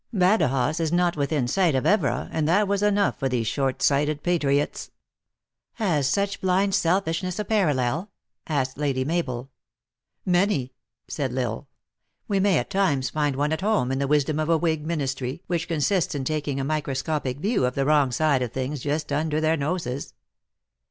" Badajoz is not within sight of Evora, and that was enough for these short sighted patriots." " Has such blind selfishness a parallel ?" asked Lady Mabel. THE ACTKESS IN HIGH LIFE. 189 " Many," said L Isle. " We may at times find one at home, in the wisdom of a whig ministry, which consists in taking a microscopic view of the wrong side of things just under their noses."